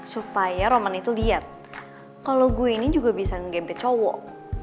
supaya roman itu lihat kalau gue ini juga bisa gamb cowok